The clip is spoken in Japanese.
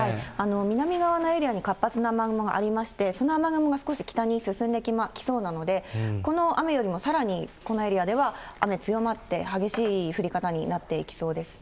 南側のエリアに活発な雨雲がありまして、その雨雲が少し北に進んできそうなので、この雨よりもさらにこのエリアでは雨強まって、激しい降り方になっていきそうですね。